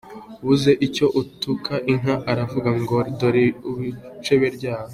Ubuze icyo atuka inka aravuga ngo dore urucebe rwayo.